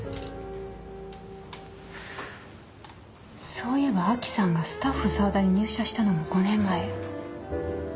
そういえば亜希さんがスタッフＳＡＷＡＤＡに入社したのも５年前。